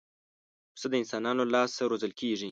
پسه د انسانانو له لاسه روزل کېږي.